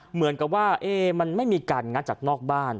เหมือนกับว่ามันไม่มีการงัดจากนอกบ้าน